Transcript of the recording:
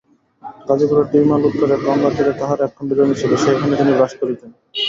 গাজিপুরের দুই মাইল উত্তরে গঙ্গাতীরে তাঁহার একখণ্ড জমি ছিল, সেইখানেই তিনি বাস করিতেন।